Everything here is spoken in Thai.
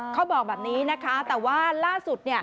เขาบอกแบบนี้นะคะแต่ว่าล่าสุด